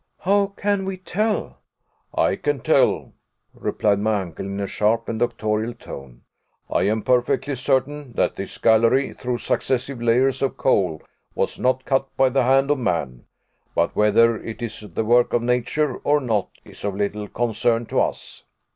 "How can we tell?" "I can tell," replied my uncle, in a sharp and doctorial tone. "I am perfectly certain that this gallery through successive layers of coal was not cut by the hand of man. But whether it is the work of nature or not is of little concern to us.